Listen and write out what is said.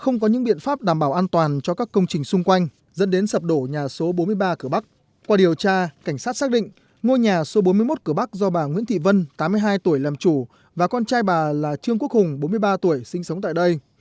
ngôi nhà số bốn mươi một cửa bắc do bà nguyễn thị vân tám mươi hai tuổi làm chủ và con trai bà là trương quốc hùng bốn mươi ba tuổi sinh sống tại đây